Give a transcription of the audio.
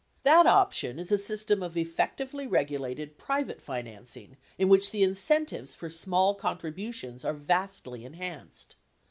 That option is a system of effectively regulated private financing in which the incentives for small contributions are vastly enhanced.